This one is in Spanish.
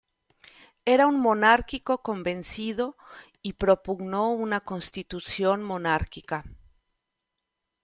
Era un monárquico convencido y propugnó una constitución monárquica.